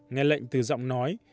nghe lệnh từ giọng nói